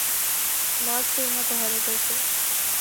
مارچ سے یہاں پہاڑوں پر سے